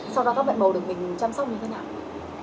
sau đó các mẹ bầu được mình chăm sóc như thế nào